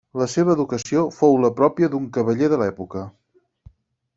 La seva educació fou la pròpia d'un cavaller de l'època.